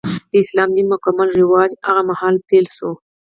د اسلام دین مکمل رواج هغه مهال پیل شو.